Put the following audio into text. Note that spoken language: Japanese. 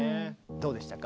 どうでしたか？